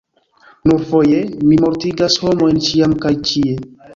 "Nur foje? Mi mortigas homojn ĉiam kaj ĉie."